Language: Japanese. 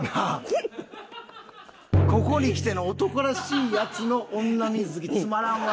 ここにきての男らしいヤツの女水着つまらんわ。